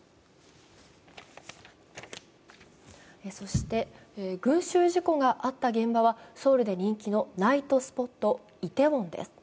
そして群集事故があった現場はソウルで人気のライトスポット、イテウォンです。